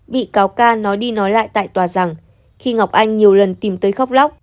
bị cáo ca nói đi nói lại tại tòa rằng khi ngọc anh nhiều lần tìm tới khóc lóc